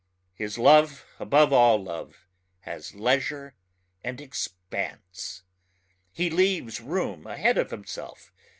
His love above all love has leisure and expanse ... he leaves room ahead of himself.